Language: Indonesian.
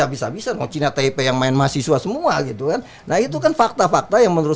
bisa bisa mau cina tipe yang main mahasiswa semua gitu kan nah itu kan fakta fakta yang menurut